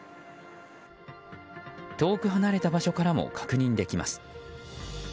遠く離れた場所からも確認できます。